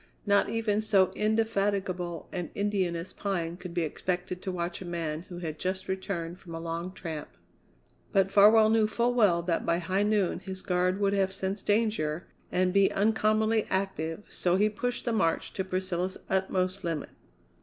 Not even so indefatigable an Indian as Pine could be expected to watch a man who had just returned from a long tramp. But Farwell knew full well that by high noon his guard would have sensed danger and be uncommonly active, so he pushed the march to Priscilla's utmost limit.